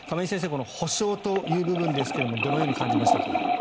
この補償という部分ですがどのように感じましたか？